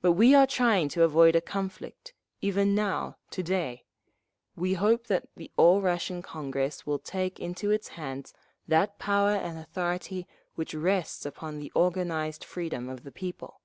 But we are trying to avoid a conflict, even now, to day. We hope that the All Russian Congress will take… into its hands that power and authority which rests upon the organised freedom of the people.